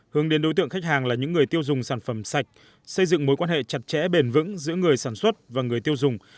hướng đến đối tượng khách hàng là những người tiêu dùng sản phẩm sạch xây dựng mối quan hệ chặt chẽ bền vững giữa người sản xuất và người tiêu dùng